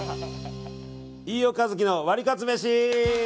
飯尾和樹のワリカツめし！